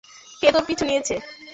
কে তার পিছু নিয়েছে?